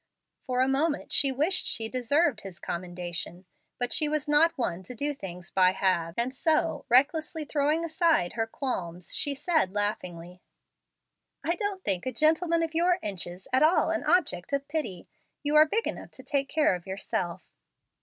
For a moment she wished she deserved his commendation. But she was not one to do things by halves, and so, recklessly throwing aside her qualms, she said laughingly, "I don't think a gentleman of your inches at all an object of pity. You are big enough to take care of yourself."